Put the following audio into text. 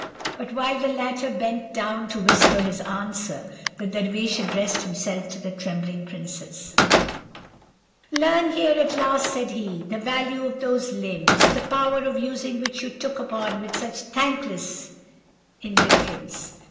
But while the latter bent down to whisper his answer, the Dervish addressed himself to the trembling princes:— "'Learn here, at last,' said he, 'the value of those limbs, the power of using which you look upon with such thankless indifference.